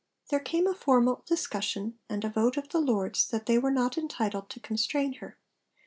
there came a formal discussion and a vote of the Lords that they were not entitled to constrain her.